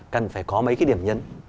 cần phải có mấy cái điểm nhấn